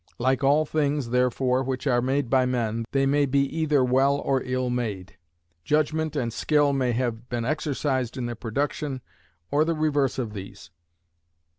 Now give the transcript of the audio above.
Like all things, therefore, which are made by men, they may be either well or ill made; judgment and skill may have been exercised in their production, or the reverse of these.